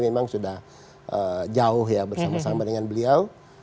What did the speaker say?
memang sudah jauh ya bersama sama dengan beliau